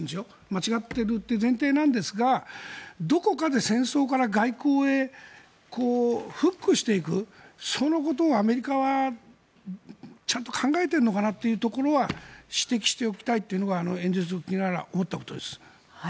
間違っているという前提ですがどこかで戦争から外交へフックしていくそのことをアメリカはちゃんと考えてるのかなってところは指摘しておきたいというのがあの演説を聞きながら思ったことです。